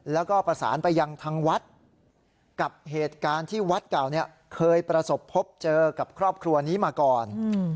แล้วก็ประสานไปยังทางวัดกับเหตุการณ์ที่วัดเก่าเคยประสบพบเจอกับครอบครัวนี้มาก่อน